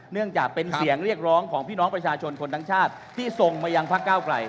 เนื่องจากเป็นเสียงเรียกร้องของพี่น้องประชาชนคนทั้งชาติที่ส่งมายังพักเก้าไกล